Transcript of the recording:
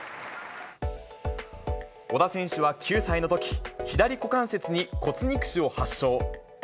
小田選手は９歳のとき、左股関節に骨肉腫を発症。